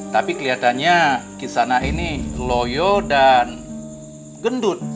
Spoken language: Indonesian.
tapi kelihatannya kisana ini loyo dan gendut